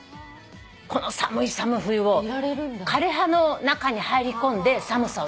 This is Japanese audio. この寒い寒い冬を枯れ葉の中に入りこんで寒さをしのぐんだって。